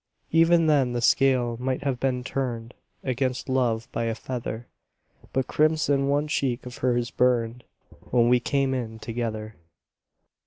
ŌĆØ Even then the scale might have been turned Against love by a feather, ŌĆöBut crimson one cheek of hers burned When we came in together.